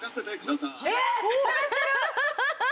ハハハハ。